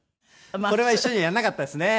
これは一緒にはやらなかったですね。